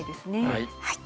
はい。